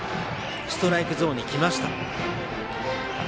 ストライクゾーンに来ました。